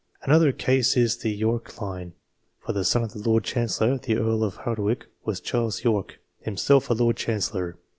Another case is in the Yorke line, for the son of the Lord Chancellor, the Earl of Hardwicke, was Charles Yorke, himself a Lord Chancellor.